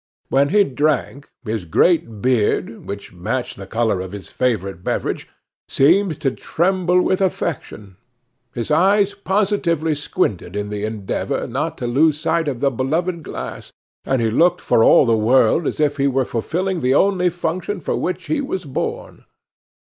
When he drank, his great beard, which matched the color of his favorite beverage, seemed to tremble with affection; his eyes positively squinted in the endeavor not to lose sight of the beloved glass, and he looked for all the world as if he were fulfilling the only function for which he was born.